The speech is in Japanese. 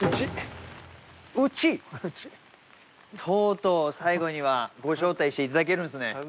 とうとう最後にはご招待していただけるんすね。